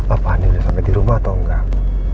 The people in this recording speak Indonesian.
apa andi udah sampai di rumah atau enggak